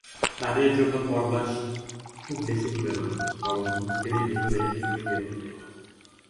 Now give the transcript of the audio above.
তাঁদের জন্য পরবাস খুব বেশি দূরে নয়, বরং বুকেরই ভেতরে লুকিয়ে থাকে।